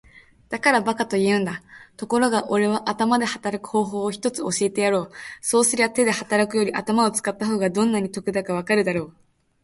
「だから馬鹿と言うんだ。ところがおれは頭で働く方法を一つ教えてやろう。そうすりゃ手で働くより頭を使った方がどんなに得だかわかるだろう。」